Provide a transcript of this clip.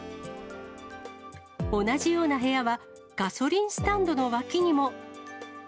同じような部屋は、ガソリンスタンドの脇にも。